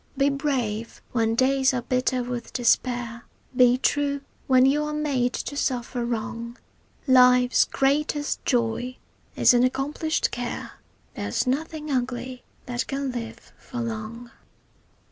Be brave when days are bitter with despair, Be true when you are made to suffer wrong; Life's greatest joy is an accomplished care, There's nothing ugly that can live for long.